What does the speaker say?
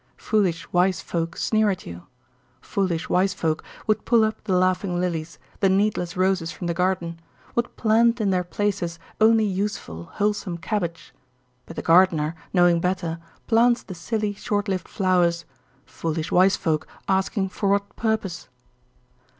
Foolish wise folk sneer at you. Foolish wise folk would pull up the laughing lilies, the needless roses from the garden, would plant in their places only useful, wholesome cabbage. But the gardener, knowing better, plants the silly, short lived flowers, foolish wise folk asking for what purpose.